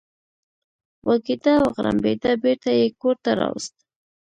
غوږېده او غړمبېده، بېرته یې کور ته راوست.